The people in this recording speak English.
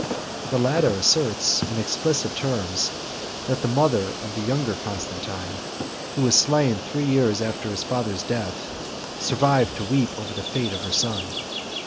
25 The latter asserts, in explicit terms, that the mother of the younger Constantine, who was slain three years after his father's death, survived to weep over the fate of her son.